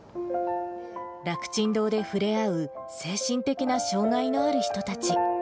楽ちん堂で触れ合う精神的な障がいのある人たち。